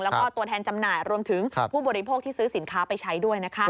แล้วก็ตัวแทนจำหน่ายรวมถึงผู้บริโภคที่ซื้อสินค้าไปใช้ด้วยนะคะ